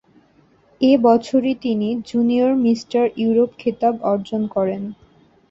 এ বছরই তিনি junior mister Europe খেতাব অর্জন করেন।